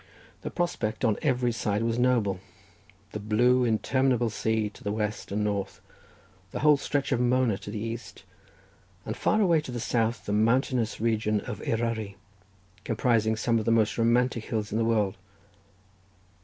The prospect, on every side, was noble: the blue interminable sea to the west and north; the whole stretch of Mona to the east; and far away to the south the mountainous region of Eryri, comprising some of the most romantic hills in the world.